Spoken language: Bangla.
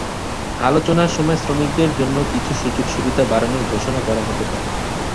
আলোচনার সময় শ্রমিকদের জন্য কিছু সুযোগ-সুবিধা বাড়ানোর ঘোষণা করা হতে পারে।